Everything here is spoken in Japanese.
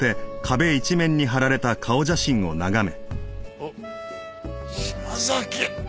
おっ島崎。